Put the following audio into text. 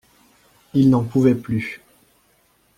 Il n'en pouvait plus.